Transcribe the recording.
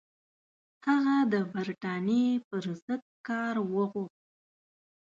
هغه د برټانیې پر ضد کار وغوښت.